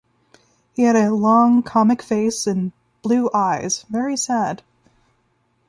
He had a long comic face and blue eyes, very sad.